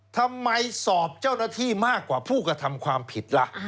ทำไมสอบเจ้าหน้าที่มากกว่าผู้กระทำความผิดล่ะ